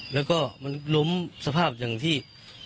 แล้วก็มันล้มสภาพอย่างที่